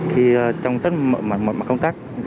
khi trong tất mọi mặt công tác